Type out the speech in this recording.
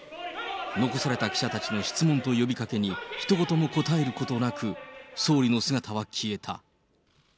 残された記者たちの質問と呼びかけに、ひと言も答えることなく、総理の姿は消えた。